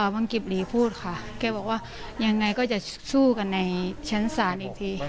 บังกิบหลีพูดค่ะแกบอกว่ายังไงก็จะสู้กันในชั้นศาลอีกที